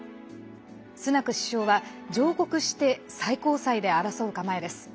スナク首相は上告して最高裁で争う構えです。